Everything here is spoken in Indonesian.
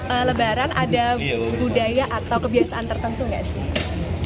pak anies dan ibu ferry biasanya kalau lebaran ada budaya atau kebiasaan tertentu gak sih